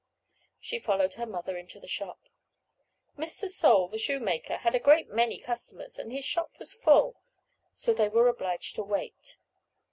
She followed her mother into the shop. Mr. Sole the shoemaker, had a great many customers, and his shop was full, so they were obliged to wait.